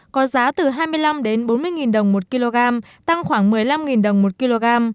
có giá từ hai mươi năm bốn mươi đồng một kg tăng khoảng một mươi năm đồng một kg